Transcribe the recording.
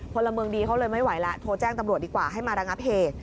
พลเมืองดีเขาเลยไม่ไหวแล้วโทรแจ้งตำรวจดีกว่าให้มาระงับเหตุ